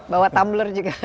bawa tumbler juga